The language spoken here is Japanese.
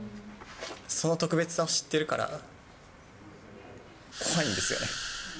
その特別さを知ってるから、怖いんですよね。